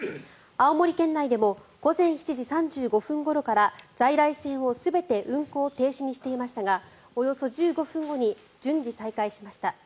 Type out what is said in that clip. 青森県内でも午前７時３５分ごろから在来線を全て運行停止にしていましたがおよそ１５分後に順次、再開しました。